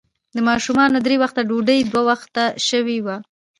د ماشومانو درې وخته ډوډۍ، دوه وخته شوې وه.